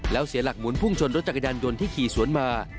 แล้วเสียหลักหมุนพุ่งชนรถจักรยานยนต์ที่ขี่สวนมา